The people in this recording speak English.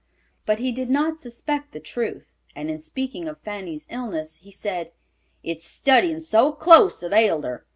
But he did not suspect the truth, and in speaking of Fanny's illness, he said, "It is studyin' so close that ailed her.